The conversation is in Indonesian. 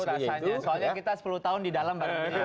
saya tahu rasanya soalnya kita sepuluh tahun di dalam